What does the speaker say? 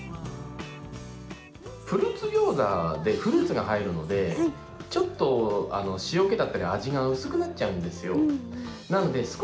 フルーツギョーザでフルーツが入るのでちょっと塩気だったり味が薄くなっちゃうんですよ。